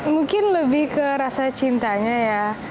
mungkin lebih ke rasa cintanya ya